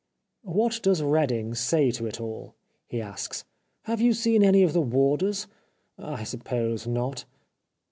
" What does Reading say to it all ?" he asks. " Have you seen any of the warders ? I sup pose not."